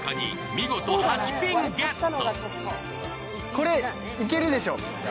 見事８ピンゲット。